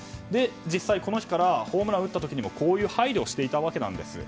実際、この日からホームランを打った時もこういう配慮をしていたんです。